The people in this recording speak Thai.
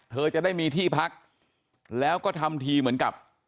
เธอจะได้มีที่พักแล้วก็ทำทีเหมือนกับ